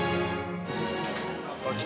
あっ来た。